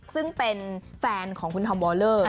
ซึ่งเป็นแฟนของคุณธอมวอลเลอร์